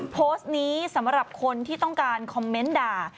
โพสต์นี้สำหรับคนที่ต้องการคอมเมนต์ด่า